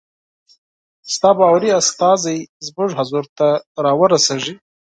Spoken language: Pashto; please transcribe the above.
ستا باوري استازی زموږ حضور ته را ورسیږي.